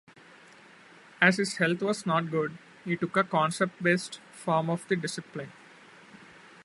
As his health was not good, he took a concept-based form of the discipline.